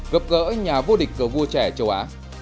gặp gỡ nhà vô địch cờ vua trẻ châu á